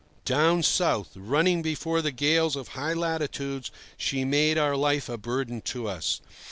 Down south, running before the gales of high latitudes, she made our life a burden to us.